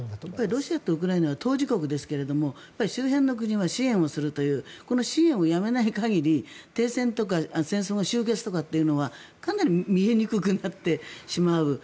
ロシアとウクライナは当事国ですけども周辺の国は支援をするというこの支援をやめない限り停戦とか戦争が終結とかっていうのはかなり見えにくくなってしまう。